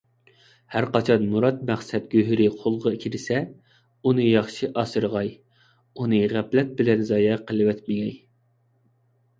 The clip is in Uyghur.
ھەرقاچان مۇراد - مەقسەت گۆھىرى قولغا كىرسە، ئۇنى ياخشى ئاسرىغاي، ئۇنى غەپلەت بىلەن زايە قىلىۋەتمىگەي.